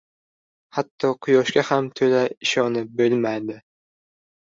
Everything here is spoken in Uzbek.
• Hatto Quyoshga ham to‘la ishonib bo‘lmaydi.